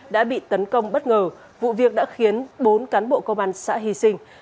đã bị tấn công bất ngờ vụ việc đã khiến bốn cán bộ công an xã hy sinh